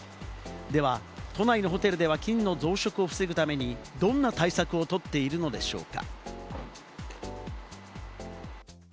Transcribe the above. では、都内のホテルでは菌の増殖を防ぐために、どんな対策をとっているのでしょうか？